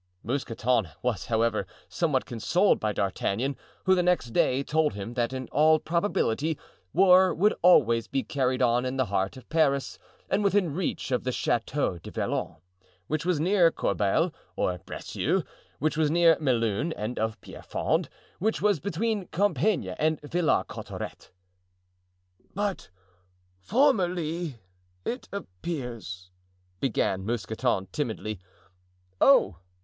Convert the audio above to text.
Mousqueton was, however, somewhat consoled by D'Artagnan, who the next day told him that in all probability war would always be carried on in the heart of Paris and within reach of the Chateau du Vallon, which was near Corbeil, or Bracieux, which was near Melun, and of Pierrefonds, which was between Compiegne and Villars Cotterets. "But—formerly—it appears," began Mousqueton timidly. "Oh!"